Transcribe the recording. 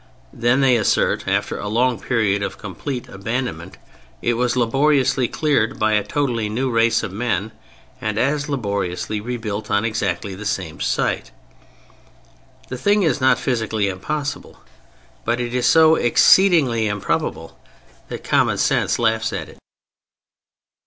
Then (they assert) after a long period of complete abandonment it was laboriously cleared by a totally new race of men and as laboriously rebuilt on exactly the same site. The thing is not physically impossible, but it is so exceedingly improbable that common sense laughs at it.